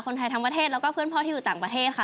ทั้งประเทศแล้วก็เพื่อนพ่อที่อยู่ต่างประเทศค่ะ